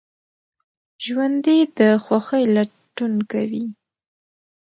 ژوندي د خوښۍ لټون کوي